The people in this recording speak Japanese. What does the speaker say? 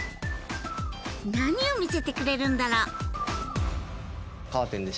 何を見せてくれるんだろう？